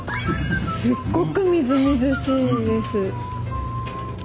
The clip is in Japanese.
すっごくみずみずしいです。